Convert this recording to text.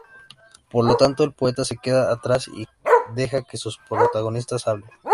Por lo tanto, el poeta se queda atrás y deja que sus protagonistas hablen.